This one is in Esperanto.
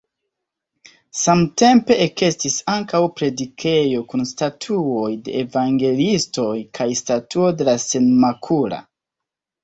Samtempe ekestis ankaŭ predikejo kun statuoj de evangeliistoj kaj statuo de la Senmakula.